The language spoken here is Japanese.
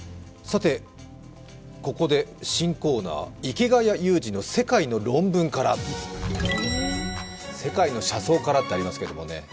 ここで新コーナー「池谷裕二の世界の論文から」「世界の車窓」からってありますけどね。